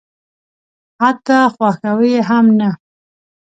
حتی خواښاوه یې هم نه.